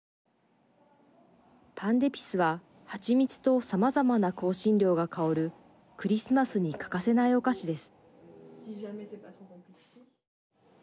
パンデピスは、はちみつとさまざまな香辛料が香るクリスマスに欠かせないお菓子です。